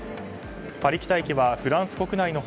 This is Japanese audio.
パリ北駅はフランス国内の他